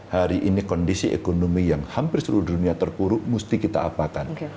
hari ini kondisi ekonomi yang hampir seluruh dunia terpuruk mesti kita apakan